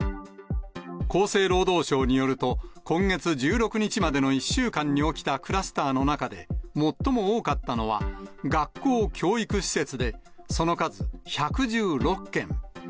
厚生労働省によると、今月１６日までの１週間に起きたクラスターの中で、最も多かったのは、学校・教育施設で、その数１１６件。